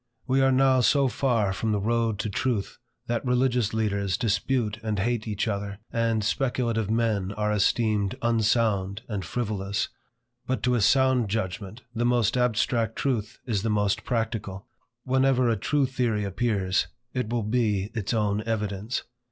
We are now so far from the road to truth, that religious teachers dispute and hate each other, and speculative men are esteemed unsound and frivolous. But to a sound judgment, the most abstract truth is the most practical. Whenever a true theory appears, it will be its own evidence.